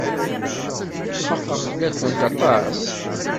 Xaqeɣ fell-akent aṭas.